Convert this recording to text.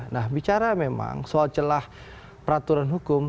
nah bicara memang soal celah peraturan hukum